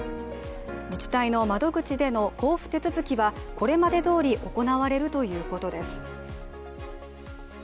自治体の窓口での交付手続きはこれまでどおり行われるということです。